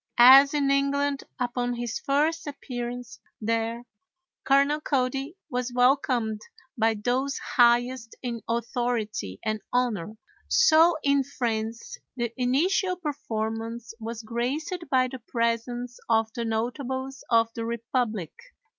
As in England upon his first appearance there Colonel Cody was welcomed by those highest in authority and honor, so in France the initial performance was graced by the presence of the notables of the republic.